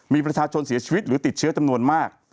มีประชาชนเสียชีวิตหรือติดเชื้อจำนวนมาก